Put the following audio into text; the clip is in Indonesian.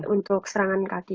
untuk serangan kaki